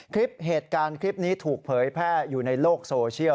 คลิปเหตุการณ์คลิปนี้ถูกเผยแพร่อยู่ในโลกโซเชียล